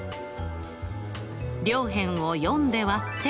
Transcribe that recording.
両辺を４で割って。